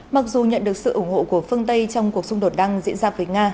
mặc dù nhận được sự ủng hộ của phương tây trong cuộc xung đột đang diễn ra với nga